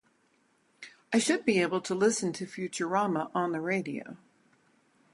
I should be able to listen to Futurama on the radio.